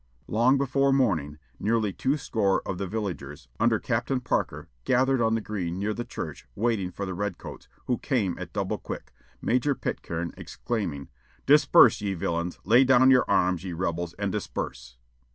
Long before morning, nearly two score of the villagers, under Captain Parker, gathered on the green, near the church, waiting for the red coats, who came at double quick, Major Pitcairn exclaiming, "Disperse, ye villains! Lay down your arms, ye rebels, and disperse!"